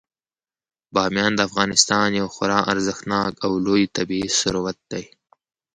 بامیان د افغانستان یو خورا ارزښتناک او لوی طبعي ثروت دی.